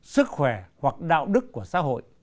sức khỏe hoặc đạo đức của xã hội